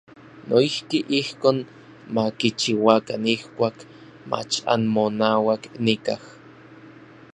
Noijki ijkon ma kichiuakan ijkuak mach anmonauak nikaj.